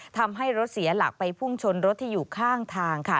ทำให้รถเสียหลักไปพุ่งชนรถที่อยู่ข้างทางค่ะ